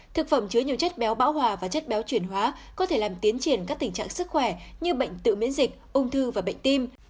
thực phẩm chứa nhiều chất béo bão hòa và chất béo chuyển hóa có thể làm tiến triển các tình trạng sức khỏe như bệnh tự miễn dịch ung thư và bệnh tim